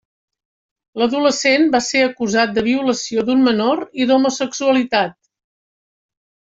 L'adolescent va ser acusat de violació d'un menor i d'homosexualitat.